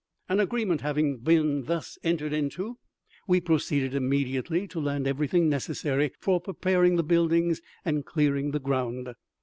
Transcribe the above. An agreement having been thus entered into, we proceeded immediately to land everything necessary for preparing the buildings and clearing the ground.